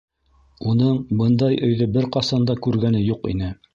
Уның бындай өйҙө бер ҡасан да күргәне юҡ ине.